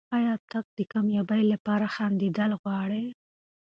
ایا ته د کامیابۍ لپاره خندېدل غواړې؟